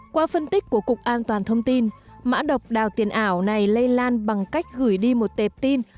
qua phân tích của cục an toàn thông tin mã độc đào tiền ảo này lây lan bằng cách gửi đi một tệp tin